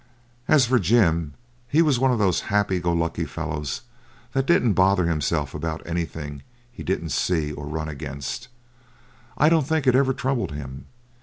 As for Jim, he was one of those happy go lucky fellows that didn't bother himself about anything he didn't see or run against. I don't think it ever troubled him.